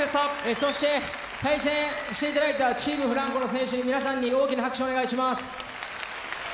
そして対戦していただいたチームフランコの皆さんに大きな拍手をお願いします。